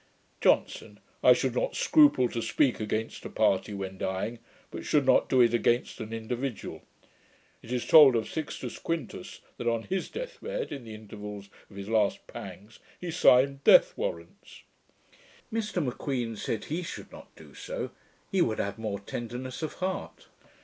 JOHNSON. 'I should not scruple to speak against a party, when dying; but should not do it against an individual. It is told of Sixtus Quintus, that on his death bed, in the intervals of his last pangs, he signed death warrants.' Mr M'Queen said, he should not do so; he would have more tenderness of heart.